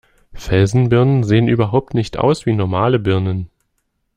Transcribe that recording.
Felsenbirnen sehen überhaupt nicht aus wie normale Birnen.